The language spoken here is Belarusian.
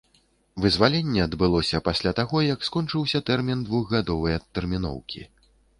Вызваленне адбылося пасля таго, як скончыўся тэрмін двухгадовай адтэрміноўкі.